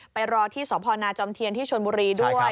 ไปรอที่สพนจที่ชนบุรีด้วย